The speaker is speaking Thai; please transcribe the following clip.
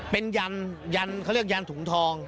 เป็นยันยันเขาเรียกยันถุงทอง